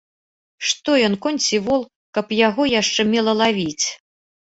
Што ён, конь ці вол, каб я яго яшчэ мела лавіць?